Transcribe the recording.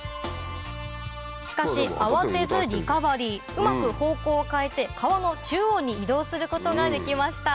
しかし慌てずリカバリーうまく方向を変えて川の中央に移動することができました